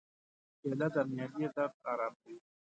کېله د معدې درد آراموي.